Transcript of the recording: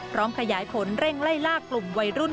พร้อมขยายผลเร่งไล่ลากกลุ่มวัยรุ่น